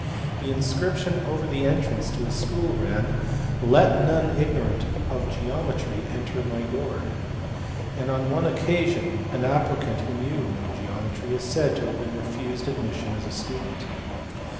The inscription over the entrance to his school ran " Let none ignorant of geometry enter my door," and on one occasion an applicant who knew no geometry is said to have been refused admission as a student.